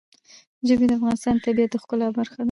ژبې د افغانستان د طبیعت د ښکلا برخه ده.